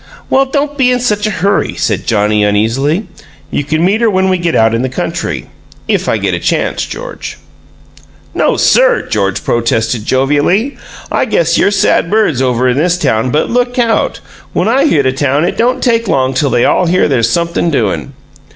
"Well, don't be in such a hurry," said Johnnie, uneasily. "You can meet her when we get out in the country if I get a chance, George." "No, sir!" George protested, jovially. "I guess you're sad birds over in this town, but look out! When I hit a town it don't take long till they all hear there's something doin'!